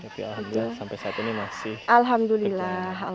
tapi alhamdulillah sampai saat ini masih alhamdulillah